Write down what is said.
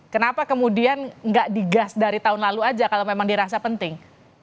kenapa kemudian nggak digas dari tahun lalu aja kalau memang dirasa penting